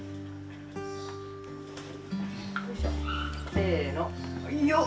せのよっ。